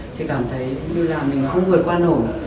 chị cảm thấy như là mình không vượt qua nổ